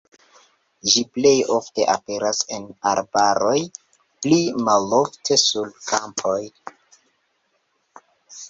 Ĝi plej ofte aperas en arbaroj, pli malofte sur kampoj.